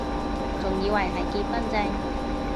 仲以為係結婚証